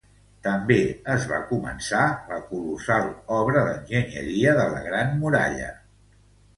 També es va començar la colossal obra d'enginyeria de la Gran Muralla.